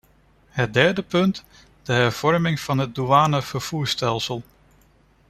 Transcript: Het derde punt: de hervorming van het douanevervoerstelsel.